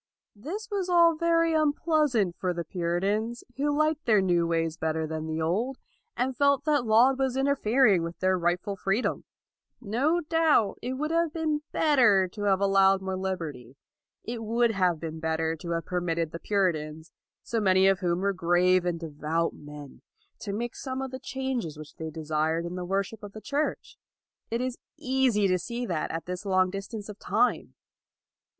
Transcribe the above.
This was all very unpleasant for the Puritans, who liked their new ways bet LAUD 221 ter than the old, and who felt that Laud was interfering with their rightful free dom. No doubt, it would have been bet ter to have allowed more liberty. It would have been better to have permitted the Puritans, so many of whom were grave and devout men, to make some of the changes which they desired in the wor ship of the Church. It is easy to see that at this long distance of time.